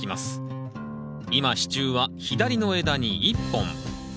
今支柱は左の枝に１本。